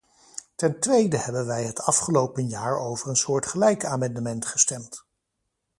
Ten tweede hebben wij het afgelopen jaar over een soortgelijk amendement gestemd.